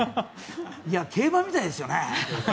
競馬みたいですよね。